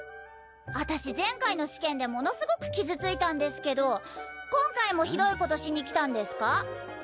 私前回の試験でものすごく傷ついたんですけど今回もひどいことしに来たんですか？